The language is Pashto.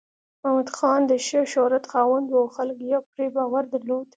محمد نادر خان د ښه شهرت خاوند و او خلک یې پرې باور درلود.